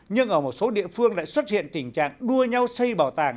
nhưng ở một số địa phương lại xuất hiện tình trạng đua nhau xây bảo tàng